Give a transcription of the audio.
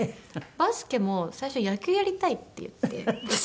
バスケも最初「野球やりたい」って言って私。